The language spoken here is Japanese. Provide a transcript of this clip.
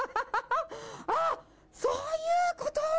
あっ、そういうこと？